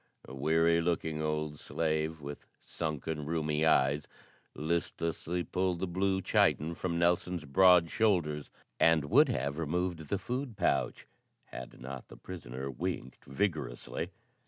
A weary looking old slave with sunken, rheumy eyes listlessly pulled the blue chiton from Nelson's broad shoulders, and would have removed the food pouch had not the prisoner winked vigorously.